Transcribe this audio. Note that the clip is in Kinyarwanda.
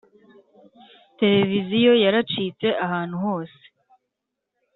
televiziyo yaracitse ahantu hose.